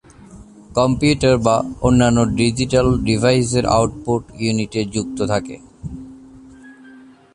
Computer বা অন্যান্য digital ডিভাইসের আউটপুট ইউনিটে যুক্ত থাকে।